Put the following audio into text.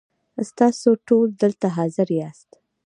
ستاسو ټول دلته حاضر یاست .